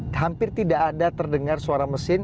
hampir tidak ada terdengar suara mesin